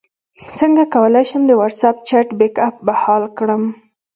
څنګه کولی شم د واټساپ چټ بیک اپ بحال کړم